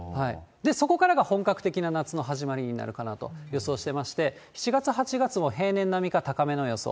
そこからが本格的な夏の始まりになるかなと予想してまして、７月、８月も平年並みか高めの予想。